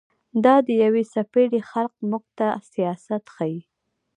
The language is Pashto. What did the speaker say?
دا د يوې څپېړي خلق موږ ته سياست ښيي